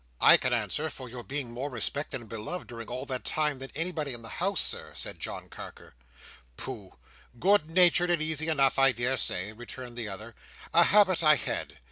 "I can answer for your being more respected and beloved during all that time than anybody in the House, Sir," said John Carker. "Pooh! Good natured and easy enough, I daresay," returned the other, "a habit I had.